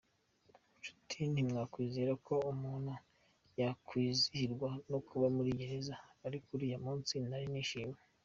Nshuti, ntimwakwizera ko umuntu yakwizihirwa no kuba muri gereza ariko uriya munsi nari nishimiye.